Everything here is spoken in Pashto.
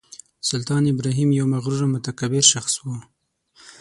سلطان ابراهیم یو مغرور او متکبر شخص و.